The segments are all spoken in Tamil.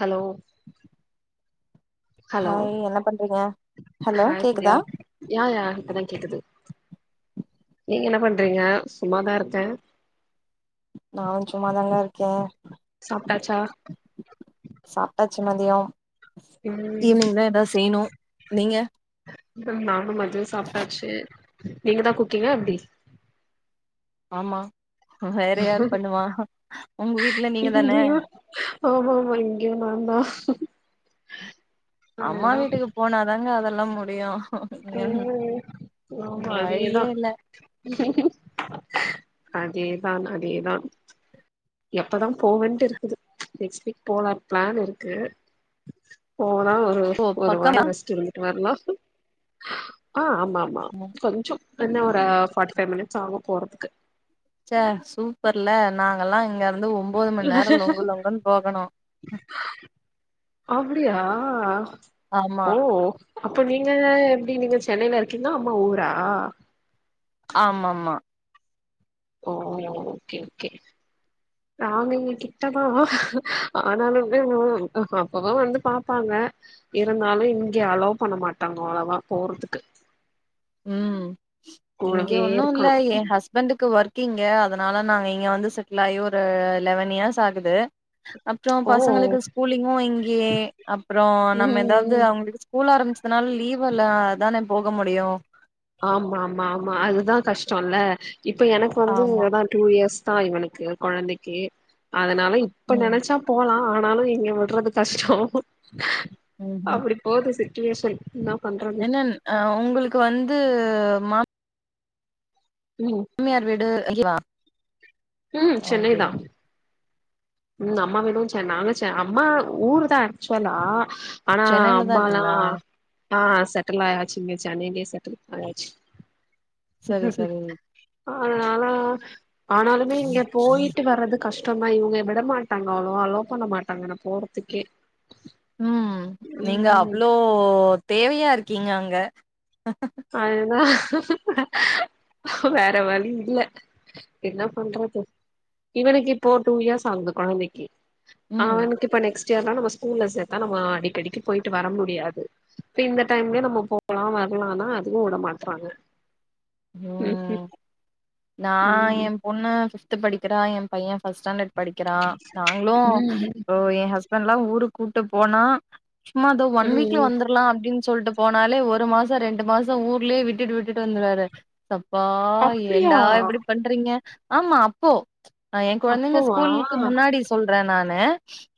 ஹலோ ஹலோ ஹாய் என்ன பண்றீங்க ஹலோ ஹாய் கேக்குதா தியா யாயா இப்பதா கேக்குது நீங்க என்ன பண்றீங்க சும்மாதா இருக்கே நானு சும்மாதாங்க இருக்கே சாப்டாச்சா சாப்டாசு மதியோ ம் ஈவினிங்தா ஏதா செய்யனு நீங்க நானு மதியோ சாப்ட்டாச்சு நீங்க தா குக்கிங்கா எப்டி ஆமா வேற யார் பண்ணுவா உங்க வீட்ல நீங்க தானே ஆமாமா இங்க நா தா அம்மா வீட்டுக்கு போனாதாங்க அதெல்லா முடியு ம் ஆமா அதேதா வழியே இல்ல அதேதான் அதேதான் எப்பதா போவேன்ட்டு இருக்குது நெக்ஸ்ட் வீக் போலானு பிளான் இருக்கு போனா போயி ஓ ஒரு வாரோ பக்கமா ரெஸ்ட் எடுத்துட்வரலா அ ஆமாமா கொஞ்ஜோ என்ன ஒரு ஃபார்ட்டி ஃபைவ் மினிட்ஸ் ஆகு போறதுக்கு ச்சே சூப்பர்ல நாங்கலா இங்க இருந்து ஒம் ஒம்போது மணிநேரம் லொங்கு லொங்கன்னு போகணு அப்டியா ஆமா ஓ அப்போ நீங்க எப்டி நீங்க சென்னையில இருக்கீங்களா அம்மா ஊரா ஆமாமா ஓ ஓகே ஓகே மாமி வீட்டு கிட்டதா ஆனாலுமே அப்பவு வந்து பாப்பாங்க இருந்தாலு இங்க அலோவ் பண்ண மாட்டாங்க அவ்ளவா போறதுக்கு ம் இங்க கூடவே ஒன்னு இல்ல இருக்கணு என் ஹஸ் ஹஸ்பண்ட்க்கு ஒர்க்கிங்கு அதனால நாங்க இங்க வந்து செட்டில் ஆகி ஒரு லெவன் இயர்ஸ் ஆகுது அப்போ ஓ பசங்களுக்கு ஸ்கூலிங்கு இங்கயே அப்றோ ம் நம்ம எதாவது ம் அவங்களுக்கு ஸ்கூல் ஆரம்பிச்சதுனால லீவ் இல்ல அதான போக முடியு ஆமா ஆமா ஆமா அதுதா கஷ்டோல்ல இப்ப எனக்கு வந்து ஆமா எதா டூ இயர்ஸ் தா இவனுக்கு கொழந்தைக்கு அதனால இப்ப ம் நெனைச்சா போலா ஆனாலு இங்க விடுறது கஷ்டோ ம்ஹும் அப்டி போது சிச்சுவேஷன் நா என்னன் அ உங்களுக்கு வந்து மா ம் மாமியார் வீடு அங்கேவா ம் சென்னை தா ம் அம்மா வீடு சென் நாங்க சென் அம்மா ஊரு தா ஆக்சுவலா ஆனா சென்னைல தா அம்மாலா இருக்குங்களா ஆ செட்டெல் ஆயாச்சி இங்க சென்னையிலயே செட்டில் ஆயாச்சி சரி சரி ஆனால ஆனாலுமே இங்க போயிட்டு வர்றது கஷ் டந்தா இவுங்க விட மாட்டாங்க அவளோவா அளோ பண்ண மாட்டாங்க நா போறதுக்கே ம் நீங்க ம் அவ்ளோ தேவையா இருக்கீங்க அங்க அதுதா வேற வழி இல்ல என்ன பண்றது இவனுக்கு இப்போ டூ இயர்ஸ் ஆகுது கொழந்தைக்கி ம் அவனுக்கு இப்ப நெக்ஸ்ட் இயரா நம்ம ஸ்கூல்ல சேத்தா நம்ம அடிக்கடிக்கி போயிட்டு வர முடியாது இப்ப இந்த டைம்லே நம்ம போலா வர்லானா அதுக்கு உட மாட்றாங்க ம் நா ம் என் பொண்ணு ஃபிப்து படிக்கறா ஏன் பையன் ஃபஸ்ட் ஸ்டாண்ட் படிக்கறான் நாங்ளு ம் ம் இப்போ என் ஹஸ்பண்ட்லா ஊருக் கூட்டு போனா சும்மா தோ ம் ஒன் வீக்ல ம் வந்ர் லா அப்டின் சொல்ட்டு போனாலே ஒரு மாச ரெண்டு மாச ஊர்லேயே விட்டுட்டு விட்டுட்டு வந்துருவாரு சப்பா அப்டியா ஏன்டா இப்டி பண்றீங்க ஆமா அப்போ என் கொழந்தங்க அப்பவா ஸ்கூலுக்கு முன்னாடி சொல்ற நானு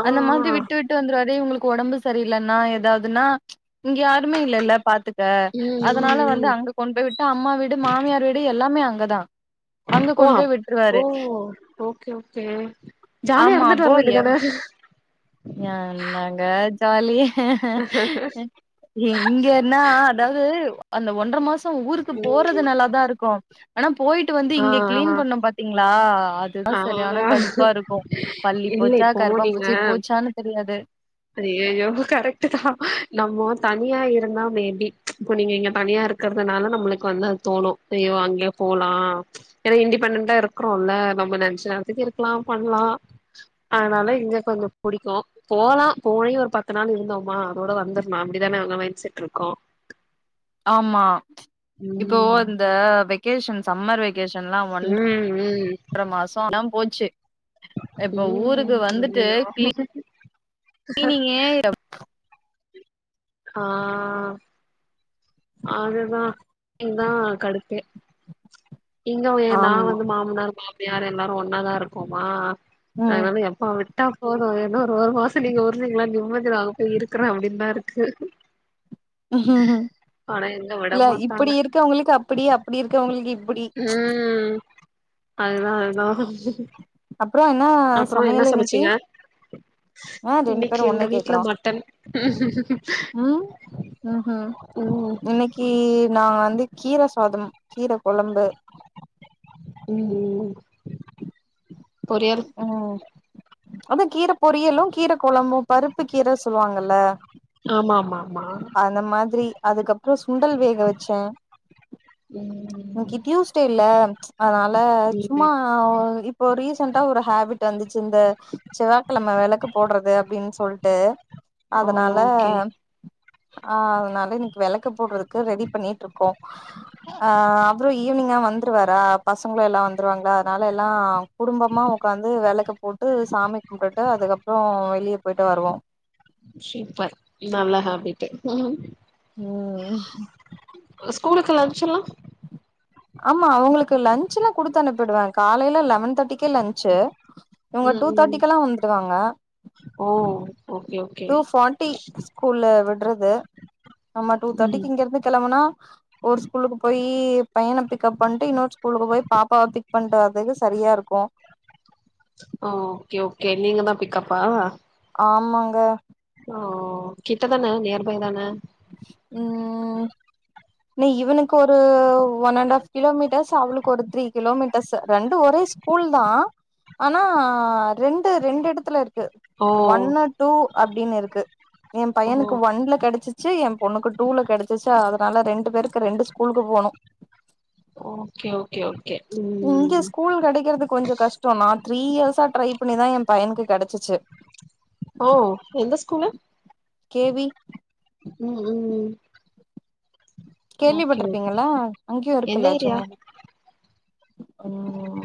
ஆ ஆ அந்த மாரி விட்டு விட் டு வந்துருவாரு இவங்ளுக்கு ஒடம்பு சரியில்ன்னா ஏதாவ்துன்னா இங்க யாருமே இல்லல்ல பாத்துக்க ம் அதனால ம் வந்து ம் அங்க கொண்ட் போய் விட்டு அம்மா வீடு மாமியார் வீடு எல்லாமே அங்கதா அங்க ஓ கொண்டு போய் அப் விட்டுருவாரு ஓ ஓகே ஓகே ஜாலி ஆமா இர்ந்துட்டு அப்போ எ வரவேண்டிதான என்னங்க ஜாலி இங்கன்னா அதாவ்து அந்த ஒன்ற மாசம் ஊருக்கு போறது ம் நல்லாதாருக்கு ஆனா போயிட்டு வந்து ஆ இங்க கிளீன் பண்ணோ பாத்தீங்களா அதுதா ஆ சரியான ஆ கடுப்பாருக்கு பள்ளி இல்ல போச்சா இப்போ கர்ப்பான்பூச்சி போச்சான்னு தெரியாது ஐயயோ கரெக்டுதா நம்மோ தனியா இருந்தா மேபி இப்போ நீங்க இங்க தனியா இருக் கற்துனால நம்ளுக்கு வந்து அது தோணு அயோ அங்கயே போலா ஏன்னா இண்டிபெண்டண்டா இருக்றோல்ல நம்ம நென்ச்ச நேரத்துக்கு இருக்லா பண்லா அனால இங்க கொஞ்சோ புடிக்கு போலா போயி ஒரு பத்து நாளு இருந்தோம்மா அதோட வந்துர்னு அப்டிதானே ஒங்க மைண்ட் செட் இருக்கோ ஆமா இப்போ ம் இந்த வெக்கேஷன் சம்மர் வெக் கேஷன்லா ம் ம் ஒன்ற மாச எல்லா போச்சு இப்ப ஊருக்கு ம் வந்துட்டு ஐயையோ கிளி கிளினீங்கே ஆ அதுதா இதா கடுப்பே இங்க வ ஏ நா ஆமா வந்து மாமனார் மாமியார் எல்லாரு ஒன்னாாதா இருக்கோமா அனால அப்பா விட்டா போது என்ன ஒரு ஒரு மாச நீங்க உர்ரிங்களா நிம்மதி நாங்க போய் இருக்கற அப்டின்தா இருக்கு ம் ம் ஆனா எங்க விட இல்ல மாட்டாங்க இப்டி இருக்கவங்களுக்கு அப்டி அப்டி இருக்கவங்களுக்கு இப் உம் அதுதா அதா அப்றோ என்ன அப்றோ என்ன சமையல் இன்னைக்கு சமச்சீங்க ஆ ரெண்டு இன்னக்கி பேரு எங்க ஒன்னே வீட்ல கேக்குறோ மட்டன் ம் ம் ம் இன்னக்கி நா வந்து கீர சாதம் கீர கொழம்பு ம் ம் பொரியல் ம் அதா கீர பொரியலு கீர கொழம்பு பருப்பு கீர சொல்லுவாங்கல்ல ஆமாமா அந்த மாதிரி அதுக்கப்றோ சுண்டல் வேக வச்ச ம் இன்னிகி டியூஸ்டேல்ல அதனால சும்மா ம் ஆ இப்போ ரீசென்டா ஒரு ஹேபிட் வந்திச்சி இந்த செவ்வாகிழம வெளக்கு போட்றது அப்டின் சொல் டு அதனால ஓகே ஆ அதனால இன்னிக் வெளக் கு போடறக்கு ரெடி பண்ணிட்டுருக்கோ ஆ அப்றம் ஈவினிங்கா வந்து வந்துருவாரா பசங்களும் எல்லா வந்துருவாங்களா அதனால எல்லா குடும்பமா ஒக்காந்து வெளக்கு போட்டு சாமி கும்புட்டு அதுக்கப்றம் வெளிய போயிட்டு வருவோ சூப்பர் நல்லா ஹாப்பிட்டு் ம் ஸ்கூலுக்கு லன்சு எல்லா ஆமா அவுங்களுக்கு லன்ச்ல்லா குடுத்து அனுப்பிடுவே காலையில லெவன் தேட்டிக்கே லஞ்சு இவுங்க ம் டூ ம் தேட்டிக்கல்லா வந்துருவாங்க ஓ ஓகே ஓகே டூ ஃபாட்டி ஸ்கூல்ல விட்றது நம்மா டூ ம் தேட்டிக்கு இங்க இருந்து கெளம்புனா ஒரு ஸ்கூலுக்கு போய் பையன பிக்கப் பண்ணிட்டு இன்னொரு ஸ்கூலுக்கு போய் பாப்பாவ பிக் பண்ணிட்டு வரதுக்கு சரியா இருக்கூ ம் ஓகே ஓகே நீங்க தா பிக்கப்பா ஆமாங்க ஓ கிட்டதான நியர்பை தான ம் னு இவனுக்கு ஒரு ஒன் அண்ட் ஆஃப் கிலோமீட்டர்ஸ் அவளுக்கு ஒரு த்ரீ கிலோமீட்டர்ஸ் ரெண்டு ஒரே ஸ்கூல் தா ஆனா ரெண்டு ரெண்டு எடத்துல இருக்கு ஓ ஒன்ன டூ அப்டின்னு இருக்கு என் ஓ பையனுக்கு ஒன்ல கெடைச்சி சி என் பொண்ணுக்கு டூல கெடச்சிச்சு அதனால ரெண்டு பேருக்கு ரெண்டு ஸ்கூலுக்கு போனு ஓகே ஓகே ஓகே இங்க ம் ஸ்கூல் கெடைக்கிறது கொஞ்சொ கஷ் டொ நா த்ரீ இயர்ஸா ட்ரை பண்ணி தா என் பையனுக்கு கடச்சிச்சு ஓ எந்த ஸ்கூலு கே வி ம் ம் ஓகே ஓகே கேள்விப்பட்ருப்பீங்கள அங்கேயு எந்த இருக்குல்ல ஏரியா சென்னையில ம்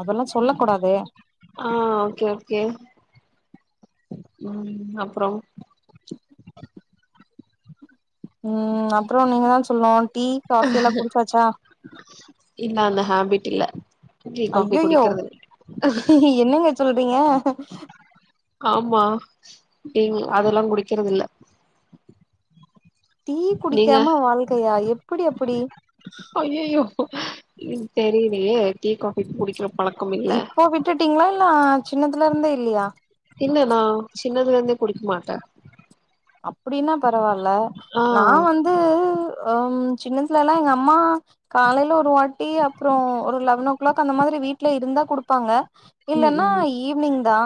அதெல்லா சொல்ல கூடாது ஆ ஓகே ஓகே ம் அப்றோ ம் அப்றோ நீங்க தா சொல்னூ டீ காஃபி எல்லா குடிச்சாச்சா இல்ல அந்த ஹேபிட் இல்ல டீ காஃபி அய்யயோ குடிக்கிறது இல்ல. என்னங்க சொல்றீங்க ஆமா டீ அதெல்லா குடிக்கறதில்ல டீ நீங்க குடிக்காம வாழ்க்கையா எப்புடி அப்புடி அய்யயோ தெரியிலையே டீ காஃபி குடிக்கிற பழக்கம் இல்ல உட்டுட்டீங்ளா இல்ல சின்னதுல இருந்தே இல்லையா இல்ல நா சின்னதுல இருந்தே குடிக்க மாட்டே அப்டின்னா பரவால்ல ஆ நா வந்து தூ ஆம் சின்னதுல எல்லா எங்க அம்மா காலையில ஒரு வாட்டி அப்புறொ ஒரு லெவன் ஓ கிளாக் அந்த மாதிரி வீட்ல இருந்தா குடுப்பாங்க ம் இல்லன்னா ம் ஈவினிங் தா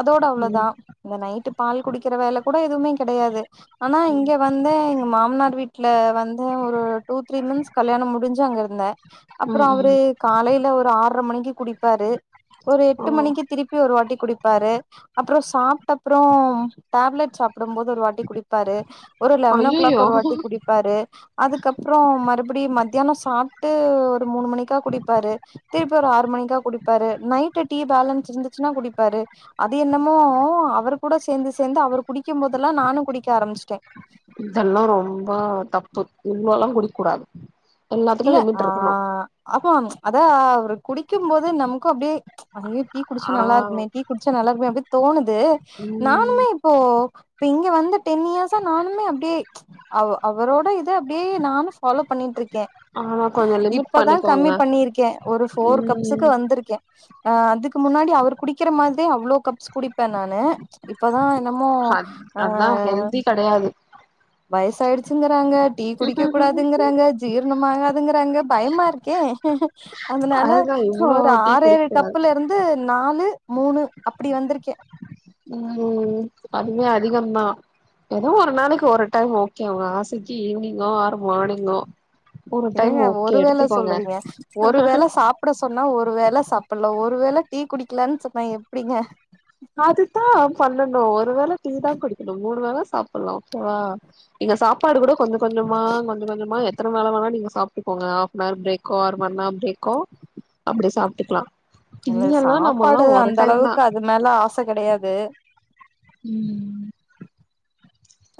அதோட ம் அவ்ளோதா இந்த நைட்டு பால் குடிக்கிற வேல கூட எதுவ்மே கெடையாது ஆனா ம் இங்க வந்து எங்க மாமனார் வீட்ல வந்து ஒரு டூ த்ரீ மந்த்த்ஸ் கல்யாணம் முடிஞ்சு அங்க இருந்தே அப்புறோ ம் அவரு ம் காலையில ஒரு ஆர்ர மணிக்கு குடிப்பாரு ஒரு ஓ எட்டு மணிக்கு திருப்பி ஒரு வாட்டி குடிப்பாரு அப்புறொ சாப்ட்ட அப்புறொ டேப்லெட் சாப் டும் போது ஒரு வாட்டி குடிப்பாரு ஒரு லெவன் ஓ கிளாக் ஐயையோ ஒரு வாட்டி குடிப் பாரு அதுக்கப்றோ மறுபடி மத்தியானொ சாப்ட்டு ஒரு மூணு மணிக்கா குடிப்பாரு திருப்பி ஒரு ஆறு மணிக்கா குடிப்பாரு நைட்டு டீ பேலன்ஸ் இருந்துச்சுன்னா குடிப்பாரு அது என்னமோ அவர் கூட சேந்து சேந்து அவரு குடிக்கும் போது எல்லாம் நானு குடிக்க ஆரம்பிச்சிட்டே இதெல்லா ரொம்ப தப்பு இவ்ளோ எல்லா குடிக்கூடாது எல்லாத்துக்கு லிமிட் இருக்கணு அப்ப அத அவரு குடிக்கும்போது நமக்கூ அப்டியே ஐயே டீ குடிச்சா ஆ நல்லா இருக்குமே டீ குடிச்சா நல்லா இருக்குமே அப்டி தோணுது ம் நானுமே ஓ இப்ப இங்க வந்து டென் இயர்ஸா நானுமே அப்டியே அவ் அவரோட இத அப்டியே நானு ஃபாலோ பண்ணிட்ருக்கே ஆமா கொஞ்சோ லிமிட் இப்பதா பண்ணிக்கோங்க கம்மி பண்ணிருக்கே ஒரு ஃபோர் கப்ஸுக்கு ம் வந்துருக்கே அ அதுக்கு முன்னாடி அவர் குடிக்கிற மாதிரியே அவ்ளோ கப்ஸ் குடிப்பே நானு இப்பதா என்னமோ அ கெடயாது வயசாயிடுச்சுங்குறாங்க டீ குடிக்க கூடாதுங்குறாங்க ஜீரணம் ஆகாதுங்குறாங்க பயமா இருக்கே அதுனால அதுதா இவ்ளோ ஒரு டீ ஆறு குடிக்க ஏழு கூடாது கப்புல இருந் து நாலு மூணு அப்பிடி வந்திருக்கே ம் அதுமே அதிகம்ந்தா எதோ ஒரு நாளைக்கு ஒரு டைம் ஓகே ஒரு ஆசைக்கு ஈவினிங்கோ ஆர் மானிங்கோ என்னங்க ஒரு வேள சொல்றீங்க ஒரு வேள சாப் ப்புட சொன்னா ஒரு வேள சாப்ட்லா ஒரு வேள டீ குடிக்கலான் சொன்னா எப்டீங்க அதுதா பண்ணணு ஒரு வேள டீ தா குடிக்கணு மூணு வேள சாப்ட்லா ஓகே வா நீங்க சாப்பாடு கூட கொஞ்ச கொஞ்சமா கொஞ்ச கொஞ்சமா எத்தன வேல வேணா நீங்க சாப்ட்டுக்கோங்க அ னார் பிரேக்கோ ஆர் ஒன்ஆர் பிரேக்கோ அப்பிடி சாப்ட்டுக்லா இல்ல சாப்பாடு அந்த தா அளவுக்கு அது மேல ஆச கெடயாது ம்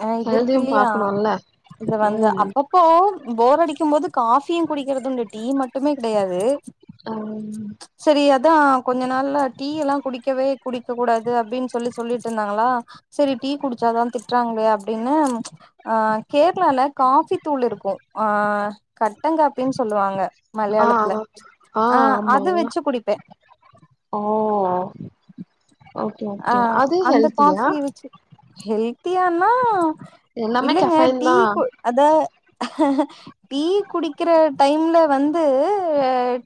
அ இது இருக்கு ஹெல்தியு இல்லயா பாக்கணுல்ல இது வந்து ம் அப்ப போ போர் அடிக்கும் போது காஃபியு குடிக்கிறதுண்டு டீ மட்டுமே கிடையாது அ சரி அதா கொஞ்ச நாள்ல டீ எல்லா குடிக்கவே குடிக்க கூடாது அப்டின் சொல்லி சொல்லிட் டிருந்தாங்களா சரி டீ குடிச்சாதா திட்றாங்களே அப்டின்னு ஆ கேர்ளால காஃபி தூள் இருக்கு ஆ கட்டங்காப்பின் சொல்லுவாங்க ஆ மலையாளத்துல ஆ அது வச்சு குடிப்பே ஓ ஓகே ஆ ஓகே அது அந்த ஹெல்த்தியா காஃபிய வச்சு ஹெல்த்தியானா எல்லாமே இல்லங்க கெஃபைன் டீ தா கு அத டீ குடிக்கிற டைம்ல வந்து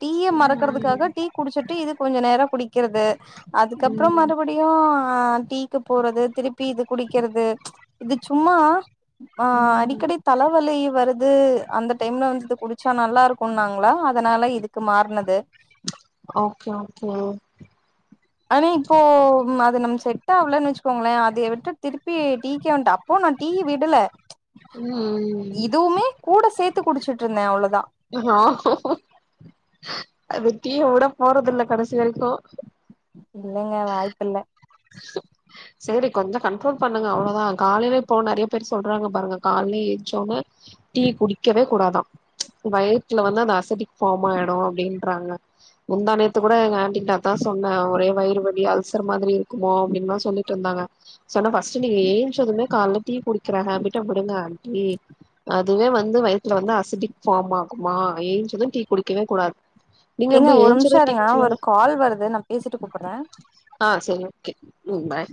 டீய ம் மறக்கறதுக்காக டீ குடிச்சிட்டு இது கொஞ்ச நேரோ குடிக்கறது அதுக்கப்றோ ம் மறு புடியு டீக்கு போறது திருப்பி இது குடிக்கிறது இது சும்மா அ ம் அடிக்கடி தலவலி வருது அந்த டைம்ல வந்து இது குடிச்சா நல்லா இருக்குன்னாங்ளா அதனால இதுக்கு மாற்னது ஓகே ஓகே ஓ ஆனா இப்போ அது நம் செட் ஆவலேனு வச்சுக்கோங்களே அதய விட்டு திருப்பி டீக்கே வன்ட்டே அப்போ நா டீ விடல ம் இதுமே கூட சேத்து குடிச்சுட்டிருந்தே அவ்ளோதா அது டீய உடபோறது இல்ல கடசி வரைக்கு இல்லங்க வாய்ப்பில்ல சேரி கொஞ்சோ கண்ட்ரோல் பண்ணுங்க அவ்ளோதா காலைல இப்போ நெறைய பேர் சொல்றாங்க பாருங்க கால்லே என்ச்சோன டீ குடிக்கவே கூடாதா வயித்துல வந்து அந்த அசிடிக் ஃபார்ம் ஆயிடு அப்டின்றாங்க முந்தா நேத்து கூட எங்க ஆண்ட்டிட்ட அதா சொன்னே ஒரே வயிறு வலி அல்சர் மாதிரி இரு க்குமோ அப்டின்தா சொல்லிட்ருந்தாங்க சொன்னே ஃபஸ்ட்டு நீங்க என்ச்சதுமே கால்ல டீ குடிக்கிற ஹாபிட்ட விடுங்க ஆண்ட்டி அதுவே வந்து வயுத்துல வந்து அசிடிக் ஃபாம் ஆகுமா எய்ன்ச்சுதோ டீ குடிக்கவே கூடாது நீங்க ஏங்க எப்டி ஒரு ஏஞ்சது நிம்ஷோ டீ இருங்க ஒரு குடிச்சிருவீங்களா கால் வருது நா பேசீட்டு கூப்பட்ற ஆ சேரி ஓகே ம் பாய்